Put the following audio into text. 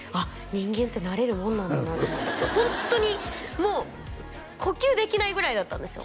人間って慣れるもんなんだなと思ってホントにもう呼吸できないぐらいだったんですよ